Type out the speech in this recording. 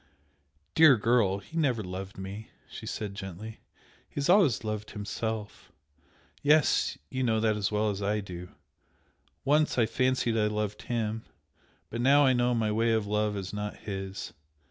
"Dear girl, he never loved me!" she said, gently "He has always loved himself. Yes! you know that as well as I do! Once I fancied I loved HIM but now I know my way of love is not his.